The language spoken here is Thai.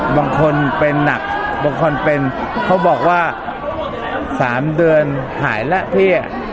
บางคนเป็นหนักบางคนเป็นเขาบอกว่า๓เดือนหายแล้วเพี้ย